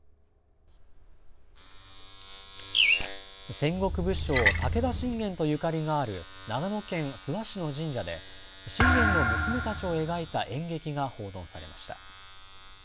戦国武将、武田信玄とゆかりがある長野県諏訪市の神社で信玄の娘たちを描いた演劇が奉納されました。